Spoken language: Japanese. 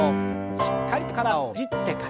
しっかりと体をねじってから。